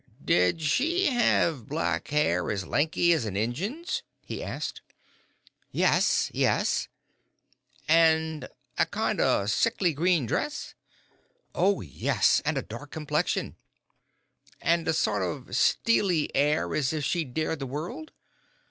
"Did she have black hair as lanky as an Injun's?" he asked. "Yes, yes." "And a kind o' sickly green dress?" "Oh, yes, and a dark complexion." "And a sort of steely air as if she'd dare the world?"